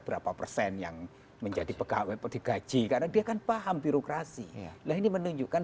berapa persen yang menjadi pegawai digaji karena dia kan paham birokrasi lah ini menunjukkan